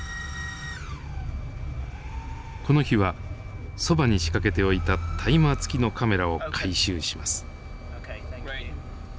この日はそばに仕掛けておいたタイマー付きのカメラを回収します。